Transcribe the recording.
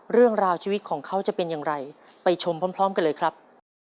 เรื่องราวชีวิตของเขาจะเป็นอย่างไรไปชมพร้อมกันเลยครับ